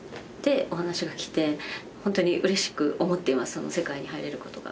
その世界に入れることが。